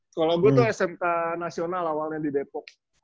kalau gue tuh smk nasional awalnya di depok